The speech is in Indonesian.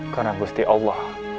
karena gusti allah